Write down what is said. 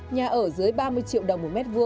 nhà ở dưới ba mươi triệu đồng một m hai